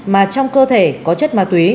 mà trong cơ thể có chất ma túy